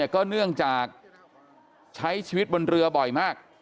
ก็เนื่องจากใช้ชีวิตบนเรือบ่อยมาก